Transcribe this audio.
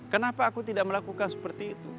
kenapa aku tidak melakukan seperti itu